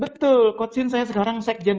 betul kocin saya sekarang sekjen